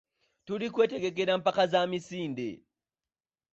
Tuli mu kwetegekera mpaka za misinde.